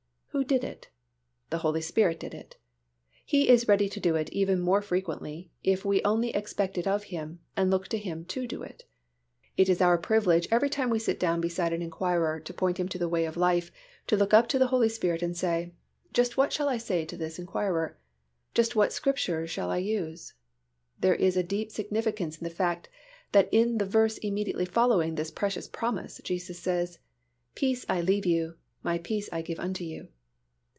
Who did it? The Holy Spirit did it. He is ready to do it even more frequently, if we only expect it of Him and look to Him to do it. It is our privilege every time we sit down beside an inquirer to point him to the way of life to look up to the Holy Spirit and say, "Just what shall I say to this inquirer? Just what Scripture shall I use?" There is a deep significance in the fact that in the verse immediately following this precious promise Jesus says, "Peace I leave with you, My peace I give unto you."